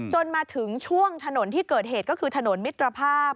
จนมาถึงช่วงถนนที่เกิดเหตุก็คือถนนมิตรภาพ